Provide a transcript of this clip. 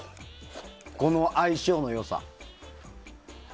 この相性の良さ。